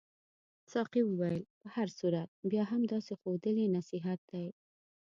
ساقي وویل په هر صورت بیا هم داسې ښودل یې نصیحت دی.